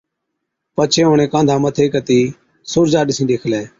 پڇي اُڻهين ڪانڌا مٿِي ڪتِي سُورجا ڏِسِين ڏيکلَي،